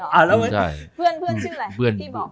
เพื่อนชื่ออะไร